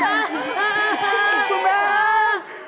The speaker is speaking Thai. อ่าอ่า